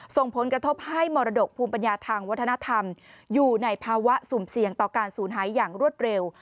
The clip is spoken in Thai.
ส่งผลกระทบให้มรดกภูมิปัญญาทางวัฒนธรรมอยู่ในภาวะสุ่มเสี่ยงต่อการสูญหายอย่างรวดเร็ว